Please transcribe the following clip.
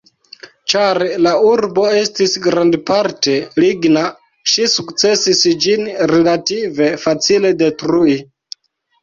Ĉar la urbo estis grandparte ligna, ŝi sukcesis ĝin relative facile detrui.